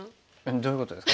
どういうことですか？